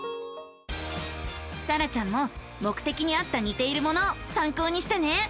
さらちゃんももくてきにあったにているものをさんこうにしてね。